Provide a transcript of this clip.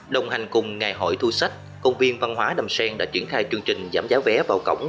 đồng hành cùng ngày hội thu sách công viên văn hóa đàm xen đã triển khai chương trình giảm giáo vé vào cổng